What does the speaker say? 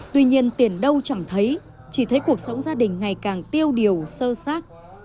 tuy nhiên tiền đâu chẳng thấy chỉ thấy cuộc sống gia đình ngày càng tiêu điều sơ sát